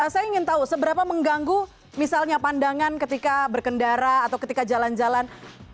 saya ingin tahu seberapa mengganggu misalnya pandangan ketika berkendara atau ketika jalan jalan